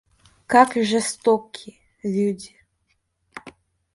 Как жестоки люди.